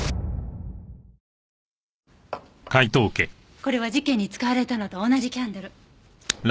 これは事件に使われたのと同じキャンドル。